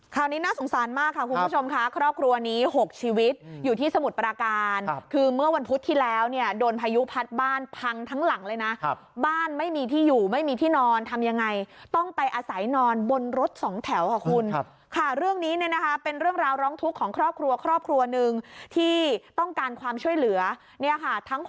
น่าสงสารมากค่ะคุณผู้ชมค่ะครอบครัวนี้๖ชีวิตอยู่ที่สมุทรปราการคือเมื่อวันพุธที่แล้วเนี่ยโดนพายุพัดบ้านพังทั้งหลังเลยนะบ้านไม่มีที่อยู่ไม่มีที่นอนทำยังไงต้องไปอาศัยนอนบนรถสองแถวค่ะคุณค่ะเรื่องนี้เนี่ยนะคะเป็นเรื่องราวร้องทุกข์ของครอบครัวครอบครัวหนึ่งที่ต้องการความช่วยเหลือเนี่ยค่ะทั้ง